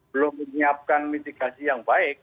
belum menyiapkan mitigasi yang baik